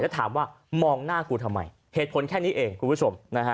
แล้วถามว่ามองหน้ากูทำไมเหตุผลแค่นี้เองคุณผู้ชมนะฮะ